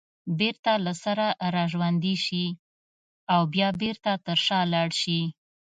بېرته له سره راژوندي شي او بیا بېرته پر شا لاړ شي